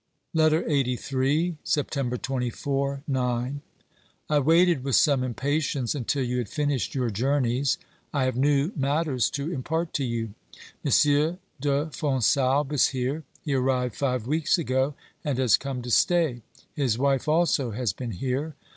'&^ LETTER LXXXIII Septejnber 24 (IX). I waited with some impatience until you had finished your journeys ; I have new matters to impart to you. M. de Fonsalbe is here. He arrived five weeks ago, and has come to stay ; his wife also has been here.